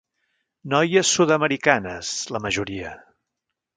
Noies sud-americanes, la majoria.